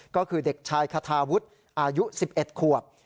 ก็คือเด็กชายคาทาวุฒิอายุ๑๑ขวบ